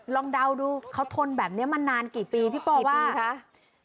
ลองเดาดูเขาทนแบบเนี้ยมานานกี่ปีพี่ป่อว่าสี่ปีค่ะ